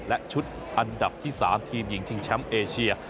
และชุดอันดับที่๓ทีมหญิงชิงแชมป์เอเชีย